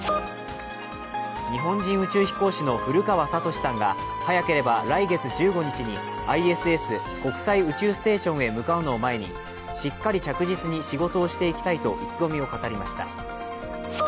日本人宇宙飛行士の古川聡さんが速ければ来月１５日にＩＳＳ＝国際宇宙ステーションへ向かうのを前にしっかり着実に仕事をしていきたいと意気込みを語りました。